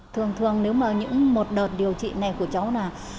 thường thường nếu mà những một đợt điều trị này của cháu là